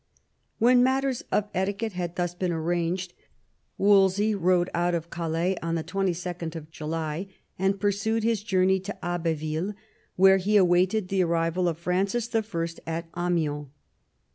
When matters of etiquette had thus been arranged, Wolsey rode out of Calais on 2 2d July, and pursued his journey to Abbeville, where he awaited the arrival of Francis I. at Amiens.